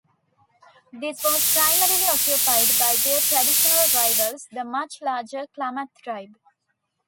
This was primarily occupied by their traditional rivals, the much larger Klamath tribe.